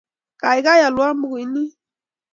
Kaikai alwon pukuit nin.